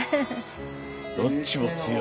どっちも強い。